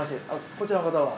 こちらの方は？